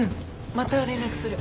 また連絡する。